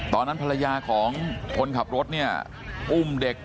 ตอนนั้นภรรยาของคนขับรถเนี่ยอุ้มเด็ก